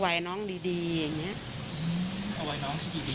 ก็ไหวน้องดีอย่างนี้